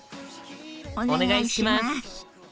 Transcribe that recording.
お願いします。